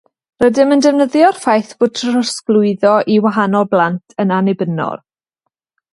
Rydym yn defnyddio'r ffaith bod trosglwyddo i wahanol blant yn annibynnol.